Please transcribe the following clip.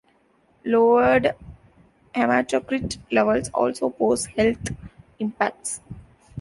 Lowered hematocrit levels also pose health impacts.